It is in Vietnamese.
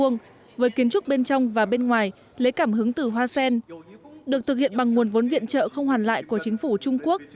lấy cảm hứng từ hoa sen được thực hiện bằng nguồn vốn viện trợ không hoàn lại của chính phủ trung quốc